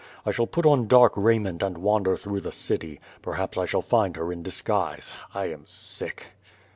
I shall put on dark raiment and wander through the city. Perhaps I shall find her in disguise. I am sick."